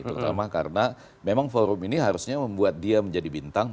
terutama karena memang forum ini harusnya membuat dia menjadi bintang